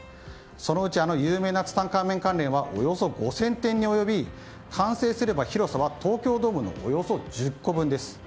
そのうち、あの有名なツタンカーメン関連は５０００点にも及び完成すれば広さは東京ドームのおよそ１０個分です。